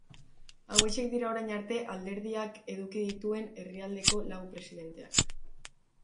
Hauexek dira orain arte alderdiak eduki dituen herrialdeko lau presidenteak.